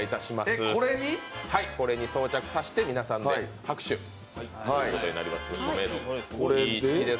これに装着して、皆さんで拍手ということになりますので。